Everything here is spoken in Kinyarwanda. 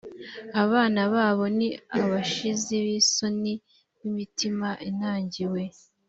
abana babo ni abashizi b isoni b imitima inangiwe